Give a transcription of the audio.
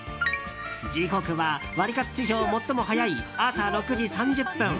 時刻はワリカツ史上最も早い朝６時３０分。